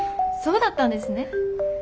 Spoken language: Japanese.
そうだったんですね。